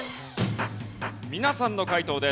皆さんの解答です。